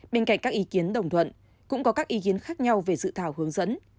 bên cạnh các ý kiến đồng thuận cũng có các ý kiến khác nhau về dự thảo hướng dẫn